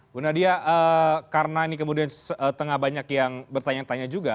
bu nadia karena ini kemudian setengah banyak yang bertanya tanya juga